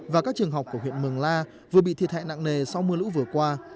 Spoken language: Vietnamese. và các trường học của huyện mường la vừa bị thiệt hại nặng nề sau mưa lũ vừa qua